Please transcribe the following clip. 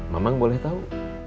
mamang boleh tahu